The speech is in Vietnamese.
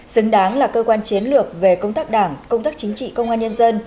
xứng đáng là cơ quan chiến lược về công tác đảng công tác chính trị công an nhân dân